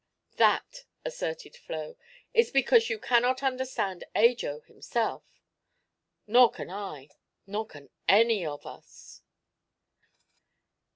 "That," asserted Flo, "is because you cannot understand Ajo himself. Nor can I; nor can any of us!"